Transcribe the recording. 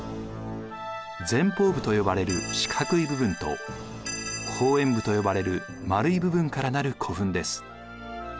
前方部と呼ばれる四角い部分と後円部と呼ばれる丸い部分から成る古墳です。